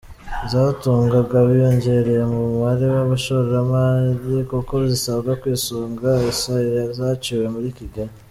zatungaga, biyongereye mu mubare w’abashomeri, kuko zisabwa kwisunga Hiaces zaciwe muri Kigali.